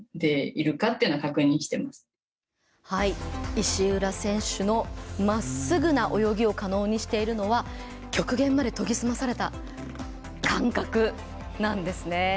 石浦選手のまっすぐな泳ぎを可能にしているのは極限まで研ぎ澄まされた感覚なんですね。